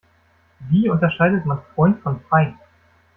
Wie unterscheidet man Freund von Feind?